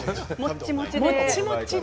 もっちもちで。